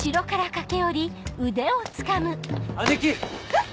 えっ！